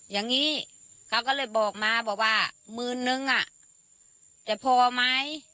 อย่างนี้เขาก็เลยบอกมาบอกว่าหมื่นนึงจะพอไหม